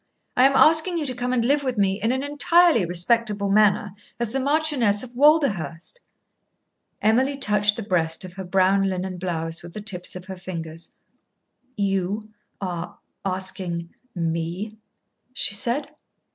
I am asking you to come and live with me in an entirely respectable manner, as the Marchioness of Walderhurst." Emily touched the breast of her brown linen blouse with the tips of her fingers. "You are asking me?" she said.